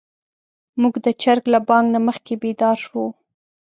موږ د چرګ له بانګ نه مخکې بيدار شوو.